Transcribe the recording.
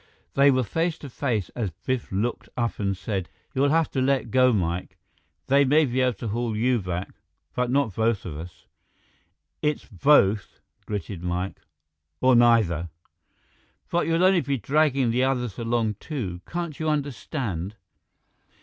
They were face to face as Biff looked up and said, "You'll have to let go, Mike. They may be able to haul you back, but not both of us." "It's both," gritted Mike, "or neither!" "But you'll only be dragging the others along, too. Can't you understand?"